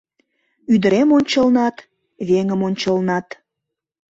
Ӱдырем ончылнат, веҥым ончылнат.